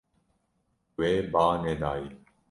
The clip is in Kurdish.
Wê ba nedaye.